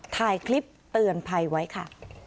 ถ่ายคลิปเตือนภัยไว้ค่ะ